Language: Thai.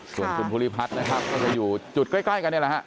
ส่วนคุณภูริพัฒน์นะครับก็จะอยู่จุดใกล้กันนี่แหละฮะ